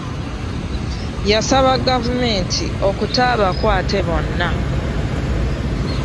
Yasaba gavumenti okuta abakwate bonna.